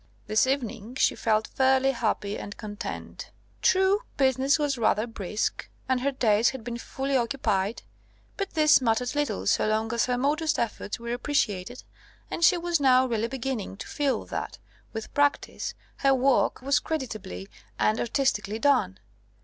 This evening she felt fairly happy and content. True, business was rather brisk, and her days had been fully occupied; but this mattered little so long as her modest efforts were appreciated, and she was now really beginning to feel that, with practice, her work was creditably and artistically done.